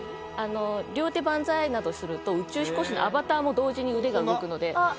両手万歳などすると宇宙飛行士のアバターも同時に腕が動くので。